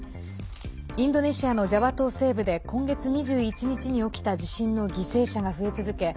インドネシアのジャワ島西部で今月２１日に起きた地震の犠牲者が増え続け